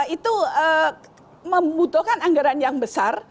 itu membutuhkan anggaran yang besar